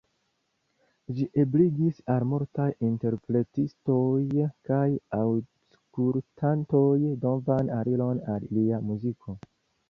Ĝi ebligis al multaj interpretistoj kaj aŭskultantoj novan aliron al lia muziko.